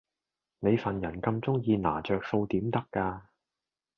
你份人咁鐘意拿着數點得架